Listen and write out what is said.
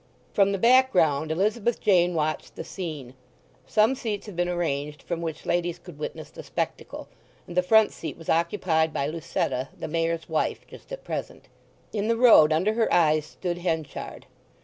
From the background Elizabeth Jane watched the scene. Some seats had been arranged from which ladies could witness the spectacle, and the front seat was occupied by Lucetta, the Mayor's wife, just at present. In the road under her eyes stood Henchard.